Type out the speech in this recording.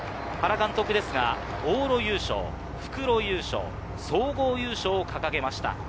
原監督ですが、往路優勝、復路優勝、総合優勝を掲げました。